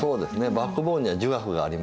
バックボーンには儒学がありますから。